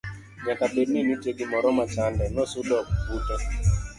nyaka bed ni nitie gimoro machande. nosudo bute